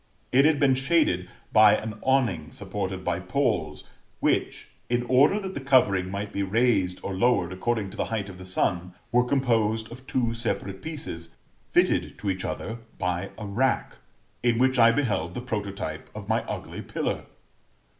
It had been shaded by an awning supported by poles, which, in order that the covering might be raised or lowered according to the height of the sun, were composed of two separate pieces, fitted to each other by a rack, in which I beheld the prototype of my ugly pillar.